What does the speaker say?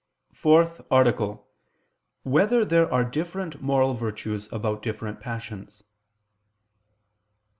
60, Art. 4] Whether There Are Different Moral Virtues About Different Passions?